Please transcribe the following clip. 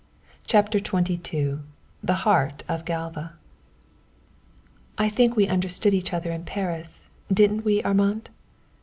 CHAPTER XXII THE HEART OF GALVA "I think we understood each other in Paris, didn't we, Armand?"